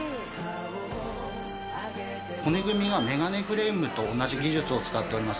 骨組みがメガネフレームと同じ技術を使っております。